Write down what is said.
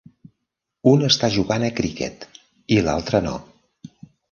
Un està jugant a criquet i l'altre no.